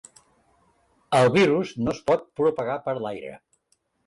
El virus no es pot propagar per l’aire.